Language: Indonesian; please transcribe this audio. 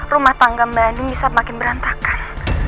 rumah tangga mba andin bisa makin berantakan